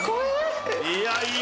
いやいや。